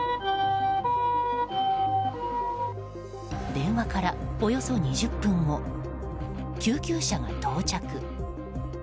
電話からおよそ２０分後救急車が到着。